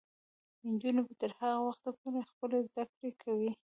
نجونې به تر هغه وخته پورې خپلې زده کړې کوي.